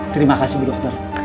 terima kasih bu dokter